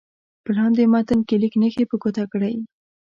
په لاندې متن کې لیک نښې په ګوته کړئ.